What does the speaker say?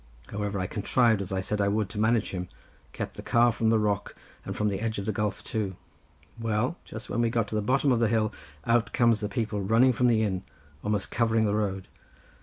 However, I contrived, as I said I would, to manage him; kept the car from the rock and from the edge of the gulf too. Well, just when we had come to the bottom of the hill out comes the people running from the inn, almost covering the road.